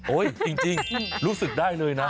โอ้ยกินจริงรู้สึกได้เลยนะ